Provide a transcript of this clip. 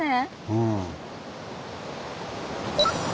うん。